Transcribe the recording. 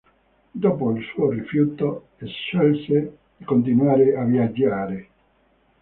Dopo il suo rifiuto, scelse di continuare a viaggiare.